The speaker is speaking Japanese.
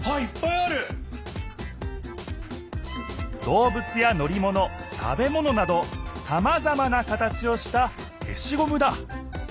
どうぶつやのりもの食べものなどさまざまな形をした消しゴムだ